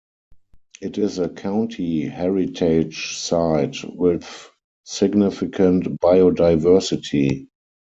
It is a County Heritage Site, with significant biodiversity.